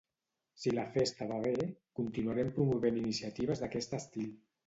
Si la festa va bé, continuarem promovent iniciatives d’aquest estil.